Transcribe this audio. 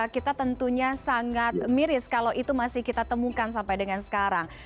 kita tentunya sangat miris kalau itu masih kita temukan sampai dengan sekarang